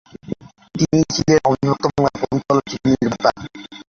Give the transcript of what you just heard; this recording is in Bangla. তিনিই ছিলেন অবিভক্ত বাংলার প্রথম চলচ্চিত্র নির্মাতা।